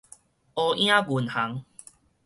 烏影銀行